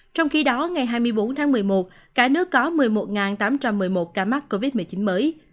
trong khi đó ngày hai mươi bốn tháng một mươi một cả nước có một mươi một tám trăm một mươi một ca mắc covid một mươi chín mới